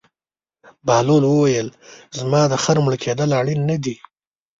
بهلول وویل: زما د خر مړه کېدل اړین نه دي.